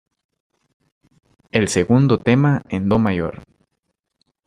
El segundo tema en Do mayor.